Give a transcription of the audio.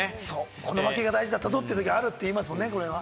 この負けが大事だったぞというときがあるって言いますもんね。